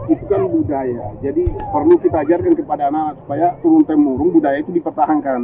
itu kan budaya jadi perlu kita ajarkan kepada anak anak supaya turun temurung budaya itu dipertahankan